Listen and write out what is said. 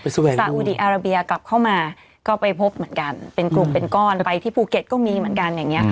สาอุดีอาราเบียกลับเข้ามาก็ไปพบเหมือนกันเป็นกลุ่มเป็นก้อนไปที่ภูเก็ตก็มีเหมือนกันอย่างนี้ค่ะ